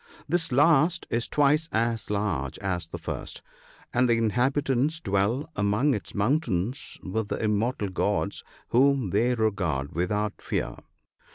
This last is twice as large as the first, and the inhabitants dwell among its mountains with the immortal gods, whom they regard without fear.